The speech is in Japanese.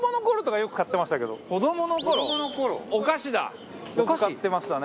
よく買ってましたね。